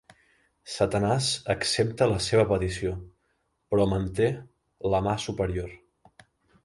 Satanàs accepta la seva petició, però manté la mà superior.